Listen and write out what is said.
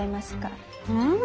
うん。